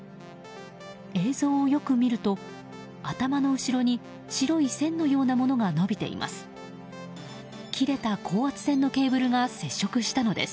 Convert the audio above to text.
映像をよく見ると、頭の後ろに白い線のようなものが伸びています。